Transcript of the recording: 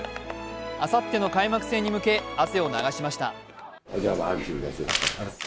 あさっての開幕戦に向け汗を流しました。